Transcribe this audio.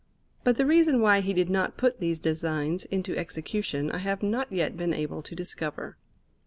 But the reason why he did not put these designs into execution I have not yet been able to discover.